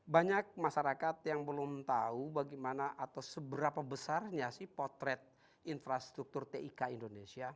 banyak masyarakat yang belum tahu bagaimana atau seberapa besarnya sih potret infrastruktur tik indonesia